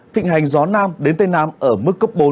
thịnh hành gió nam đến tây nam ở mức cấp bốn